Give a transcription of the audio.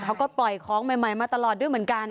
เขาก็ปล่อยของใหม่มาตลอดด้วยเหมือนกัน